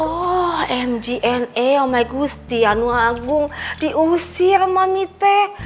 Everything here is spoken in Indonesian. oh mgna omegusti anuagung diusir mami teh